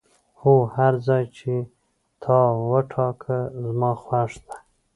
هو، هر ځای چې تا وټاکه زما خوښ دی.